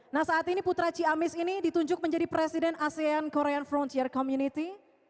nah saat ini putra ciamis ini ditunjuk menjadi presiden asean korean frontier community